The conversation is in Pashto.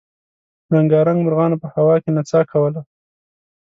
رنګارنګ مرغانو په هوا کې نڅا کوله.